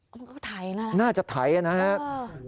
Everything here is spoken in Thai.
ก็ไถนะครับโอ้โหน่าจะไถนะครับโอ้โห